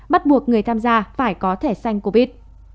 bắt buộc người tham gia phải có thể sanh covid